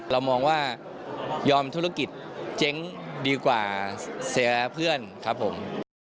เรามองว่ายอมธุรกิจเจ๊งดีกว่าเสียเพื่อนครับผม